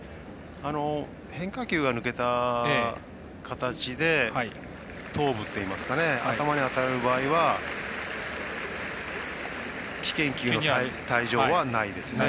変化球が抜けた形で頭部っていいますか頭に当たる場合は危険球の退場はないですね。